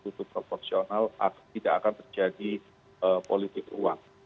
karena terbuka proporsional tidak akan terjadi politik uang